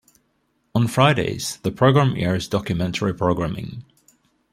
On Fridays, the program airs documentary programming.